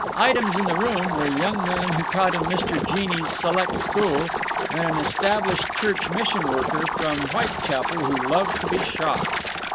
Items in the room were a young man who taught in Mr. Jeney's Select School and an Established Church mission worker from Whitechapel, who loved to be shocked.